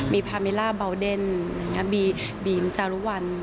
มีพาเมล่าเบาเดนบีมจารุวัล